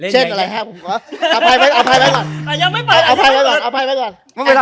เช่นอะไรครับ